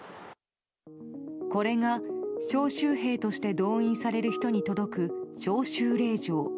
これが、招集兵として動員される人に届く招集令状。